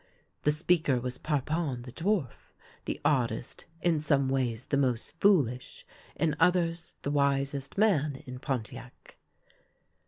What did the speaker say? The speaker was Parpon the dwarf, the oddest, in some ways the most foolish, in others the wisest man in Pontiac.